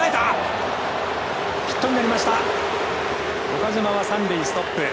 岡島は三塁ストップ。